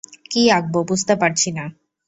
কী আঁকবো, বুঝতে পারছি না।